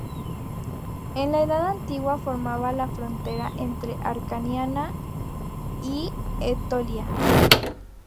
En la Edad Antigua formaba la frontera entre Acarnania y Etolia.